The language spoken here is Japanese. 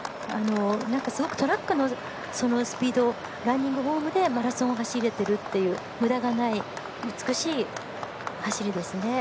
すごくトラックのスピードのランニングフォームでマラソンを走れているというむだがない美しい走りですね。